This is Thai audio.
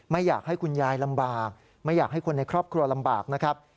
ไม่อยากให้คุณยายลำบากไม่อยากให้คนในครอบครัวลำบากนะครับ